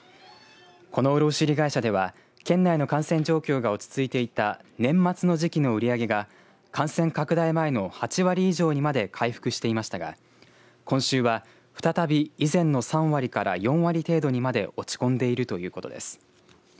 この卸売会社では県内の感染状況が落ち着いていた年末の時期の売り上げが感染拡大前の８割以上にまで回復していましたが今週は、再び以前の３割から４割程度にまで落ち込んでいるということです。